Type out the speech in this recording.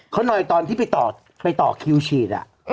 เขาหน่อยตอนที่ไปต่อคิวฉีด